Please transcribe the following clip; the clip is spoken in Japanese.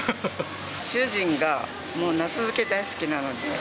主人がもうナス漬け大好きなので。